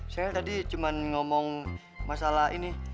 saya tadi cuma ngomong masalah ini